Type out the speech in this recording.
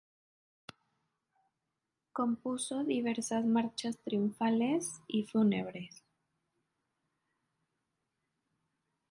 Compuso diversas marchas triunfales y fúnebres.